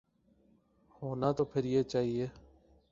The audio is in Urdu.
ہونا تو پھر یہ چاہیے۔